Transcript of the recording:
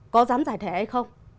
có dám giải thẻ hay không